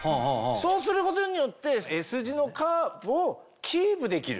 そうすることによってＳ字のカーブをキープできる。